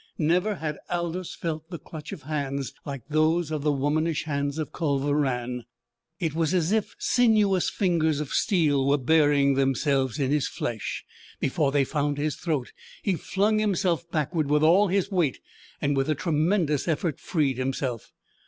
Never had Aldous felt the clutch of hands like those of the womanish hands of Culver Rann. It was as if sinuous fingers of steel were burying themselves in his flesh. Before they found his throat he flung himself backward with all his weight, and with a tremendous effort freed himself.